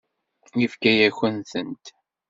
Yefka-yakent-tent.